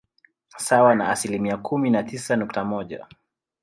sawa na asilimia kumi na tisa nukta moja